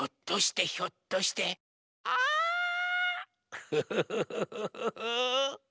クフフフフフフ。